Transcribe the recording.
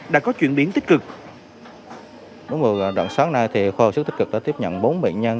đã có chuyển biến tích cực đoạn sáng nay thì khoa học sức tích cực đã tiếp nhận bốn bệnh nhân